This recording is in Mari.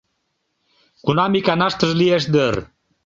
Кунам иканаштыже лиеш дыр?